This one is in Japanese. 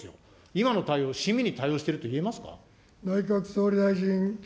今の対応、親身に対応してると言えますか。